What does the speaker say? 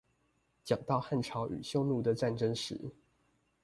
講到漢朝與匈奴的戰爭時